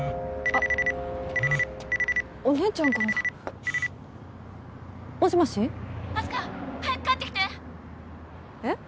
あっお姉ちゃんからだもしもし☎あす花早く帰ってきてえっ？